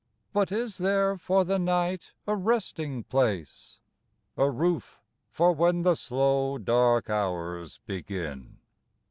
But is there for the night a resting place? A roof for when the slow dark hours begin.